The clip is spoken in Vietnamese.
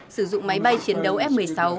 sử dụng máy bay chiến đấu f một mươi sáu